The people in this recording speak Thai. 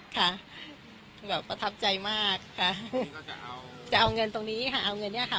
ค่ะแบบประทับใจมากค่ะก็จะเอาจะเอาเงินตรงนี้ค่ะเอาเงินเนี้ยค่ะ